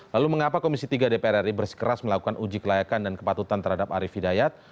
lalu mengapa komisi tiga dpr ri bersikeras melakukan uji kelayakan dan kepatutan terhadap arief hidayat